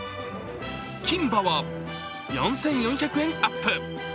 金歯は４４００円アップ。